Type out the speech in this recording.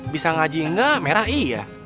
bisa ngaji enggak merah i ya